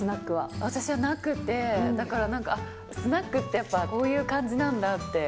私はなくて、だからなんか、スナックって、やっぱこういう感じなんだって。